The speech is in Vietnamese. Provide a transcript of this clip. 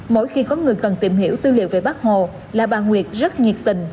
mỗi khi có người cần tìm hiểu tư liệu về bác hồ là bà nguyệt rất nhiệt tình